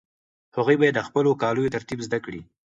هغوی باید د خپلو کاليو ترتیب زده کړي.